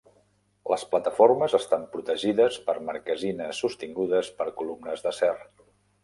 Les plataformes estan protegides per marquesines sostingudes per columnes d'acer.